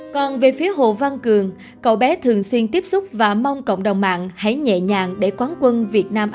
còn về phía hồ văn cường cậu bé thường xuyên tiếp xúc và mong cộng đồng mạng hãy nhẹ nhàng để quán quân việt nam